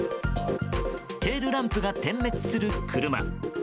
テールランプが点滅する車。